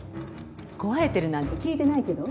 壊れてるなんて聞いてないけど？